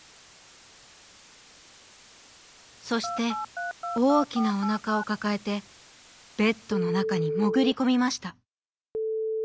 そしておおきなおなかをかかえてベッドのなかにもぐりこみました。